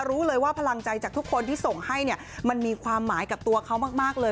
รู้เลยว่าพลังใจจากทุกคนที่ส่งให้เนี่ยมันมีความหมายกับตัวเขามากเลย